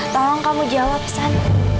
tolong kamu jawab san